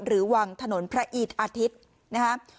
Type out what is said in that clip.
หรือวังถนนพระอีทอาทิตย์นะครับ